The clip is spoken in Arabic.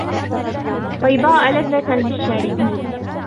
بيضاء لذة للشاربين